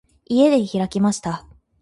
家で開きました。